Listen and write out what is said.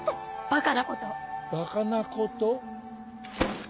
バカなこと？